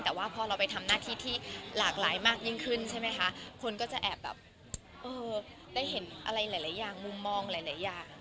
แต่ว่าพอเราไปทำหน้าที่อีกมากยิ่งขึ้นใช่ไหมค่ะคนก็จะแอบแบบเออเพราะได้เห็นอะไรหลายสิ่งมองหลายอย่าง